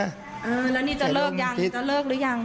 เออแล้วจะเลิกอย่างจะเลิกหรือยัง